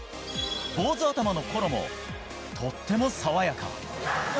坊主頭のころもとっても爽やか。